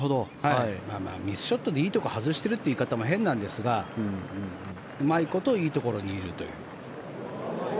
まあミスショットでいいところに外しているという言い方も変なんですがうまいこといいところにいるという。